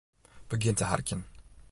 Begjin te harkjen.